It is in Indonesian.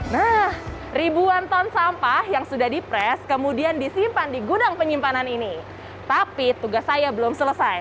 nah ribuan ton sampah yang sudah di pres kemudian disimpan di gudang penyimpanan ini tapi tugas saya belum selesai